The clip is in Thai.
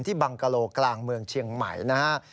บังกะโลกลางเมืองเชียงใหม่นะฮะ